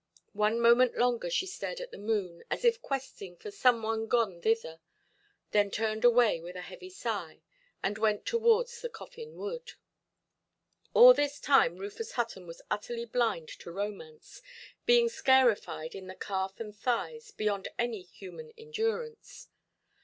One moment longer she stared at the moon, as if questing for some one gone thither, then turned away with a heavy sigh, and went towards the Coffin Wood. All this time Rufus Hutton was utterly blind to romance, being scarified in the calf and thighs beyond any human endurance.